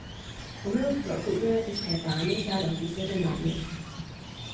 O milost pro odsouzené české pány žádal císaře marně.